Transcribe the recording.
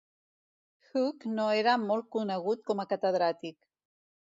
Hugh no era molt conegut com a catedràtic.